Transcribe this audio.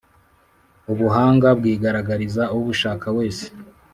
Ubuhanga bwigaragariza ubushaka wese